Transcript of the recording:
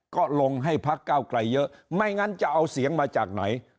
ก็ลงให้พักเก้าไกลเยอะไม่งั้นจะเอาเสียงมาจากไหน